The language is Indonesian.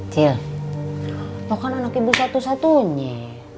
cil lo kan anak ibu satu satunya